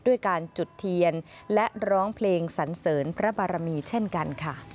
ด้วยการจุดเทียนและร้องเพลงสันเสริญพระบารมีเช่นกันค่ะ